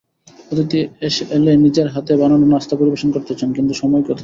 অতিথি এলে নিজের হাতে বানানো নাশতা পরিবেশন করতে চান, কিন্তু সময় কোথায়।